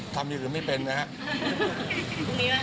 ทำอย่างอื่นไม่เป็นนะครับ